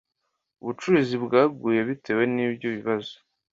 ubucuruzi bwaguye bitewe nibyo bibazo